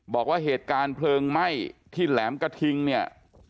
บอกว่าเหตุการณ์เพลิงไหม้ที่แหลมกระทิงเนี่ย